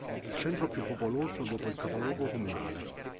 È il centro più popoloso dopo il capoluogo comunale.